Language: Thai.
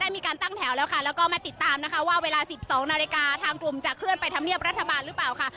มีการตั้งแถวแล้วค่ะแล้วก็มาติดตามนะคะว่าเวลา๑๒นาฬิกาทางกลุ่มจะเคลื่อนไปทำเนียบรัฐบาลหรือเปล่าค่ะ